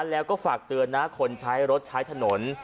แล้วก็ฝากเตือนนะคนใช้รถใช้ถนน